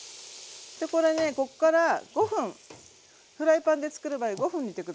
これねこっから５分フライパンでつくる場合は５分煮て下さい。